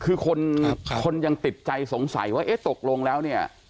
คือคนยังติดใจสงสัยว่าเอ๊ะตกลงแล้วเนี่ย